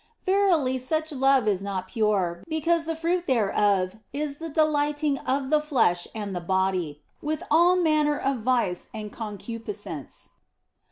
Verily, such love is not pure, because the fruit thereof is the delighting of the flesh and the body, with all manner of vice and concupiscence.